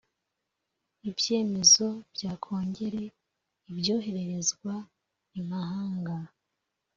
Ibyemezo bya Kongere ibyohererezwa imahanga.